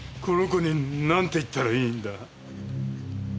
この子になんて言ったらいいんだ？